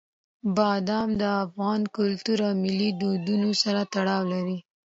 بادام د افغان کلتور او ملي دودونو سره تړاو لري.